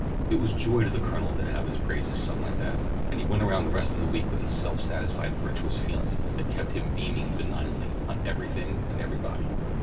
It was joy to the Colonel to have his praises sung like that, and he went around the rest of the week with a self satisfied virtuous feeling that kept him beaming benignly on everything and everybody.